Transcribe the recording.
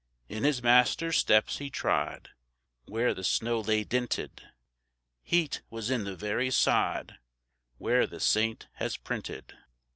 In his master's steps he trod, Where the snow lay dinted; Heat was in the very sod Where the saint has printed.